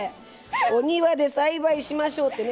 お庭で栽培しましょうってね。